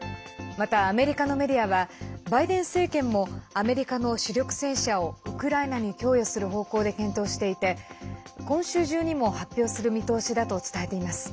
また、アメリカのメディアはバイデン政権もアメリカの主力戦車をウクライナに供与する方向で検討していて今週中にも発表する見通しだと伝えています。